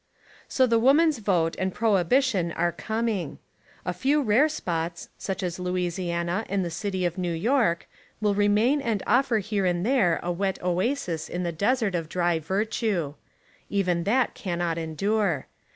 So the woman's vote and prohibition are coming. A few rare spots — such as Louisiana, and the City of New York — will remain and offer here and there a wet oasis in the desert 149 Essays and Literary Studies of dry virtue. Even that cannot endure.